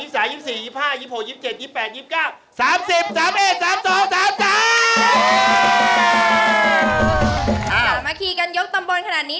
สามัคคีกันยกตำบลขนาดนี้